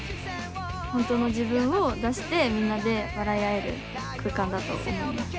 本当の自分を出してみんなで笑い合える空間だと思います。